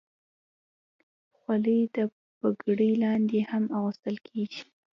خولۍ د پګړۍ لاندې هم اغوستل کېږي.